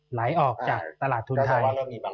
ไหลออกจากตลาดทุนไทย